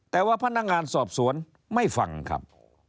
แต่ว่าพนักงานสอบสวนไม่ฟังครับ